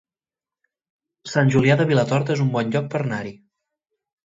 Sant Julià de Vilatorta es un bon lloc per anar-hi